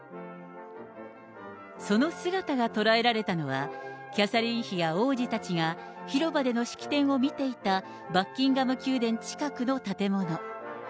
その姿が捉えられたのは、キャサリン妃や王子たちが広場での式典を見ていたバッキンガム宮殿近くの建物。